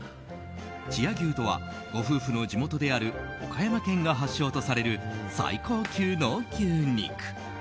千屋牛とはご夫婦の地元である岡山県が発祥とされる最高級の牛肉。